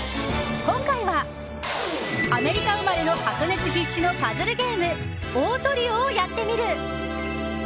今回は、アメリカ生まれの白熱必至のパズルゲームオートリオをやってみる！